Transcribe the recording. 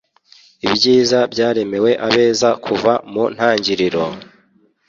Ibyiza byaremewe abeza kuva mu ntangiriro,